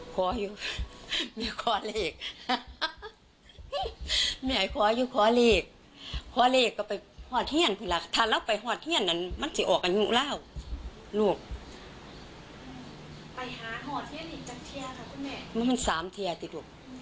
คุณแม่หน่อยฟังไปจากไหนไปเห็นหลวงพ่อคุณจากไหน